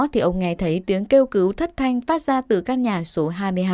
thì ông nghe thấy tiếng kêu cứu thất thanh phát ra từ căn nhà số hai mươi hai